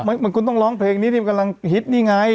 มันคุณต้องร้องเพลงนี้ที่มันกำลังฮิตนี่ไง